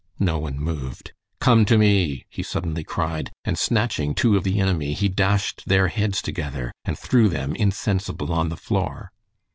No one moved. "Come to me!" he suddenly cried, and snatching two of the enemy, he dashed their heads together, and threw them insensible on the floor.